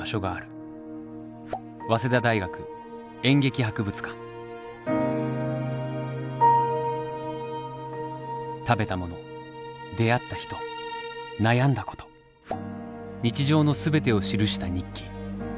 もう一度ロッパに会いたい食べたもの出会った人悩んだこと日常の全てを記した日記。